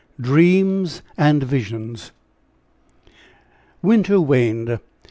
DREAMS AND VISIONS. Winter waned. Mrs.